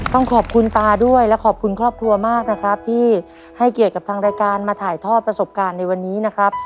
ต้องขอบคุณตาด้วยและขอบคุณครอบครัวมากนะครับที่ให้เกียรติกับทางรายการมาถ่ายทอดประสบการณ์ในวันนี้นะครับ